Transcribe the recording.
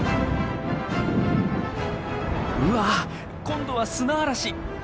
うわっ今度は砂嵐。